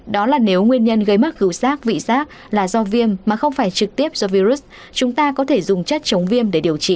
đó là nếu nguyên nhân gây mất hữu sát vị xác là do viêm mà không phải trực tiếp do virus chúng ta có thể dùng chất chống viêm để điều trị